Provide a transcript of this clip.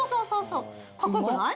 カッコ良くない？